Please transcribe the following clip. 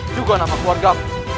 juga nama keluarga